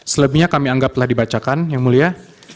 selebihnya kami anggap telah dibacakan yang mulia